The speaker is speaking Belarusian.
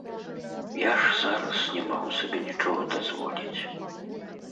Я ж зараз не магу сабе нічога дазволіць.